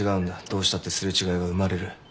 どうしたってすれ違いが生まれる。